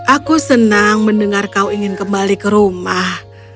aku senang mendengar kau ingin kembali ke rumah